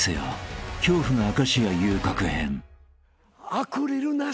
アクリルなし。